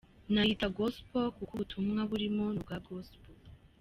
Nayita Gospel kuko ubutumwa burimo ni ubwa Gospel.